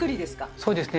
そうですね。